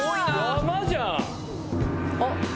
山じゃん！